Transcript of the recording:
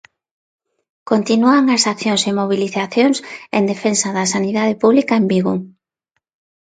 Continúan as accións e mobilizacións en defensa da sanidade pública en Vigo.